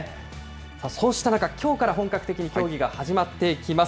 こうした中、きょうから本格的に競技が始まっていきます。